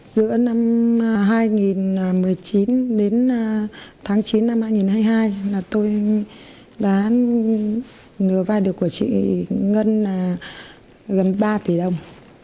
giữa năm hai nghìn một mươi chín đến tháng chín năm hai nghìn hai mươi hai tôi đã lừa vai được của chị gần ba tỷ đồng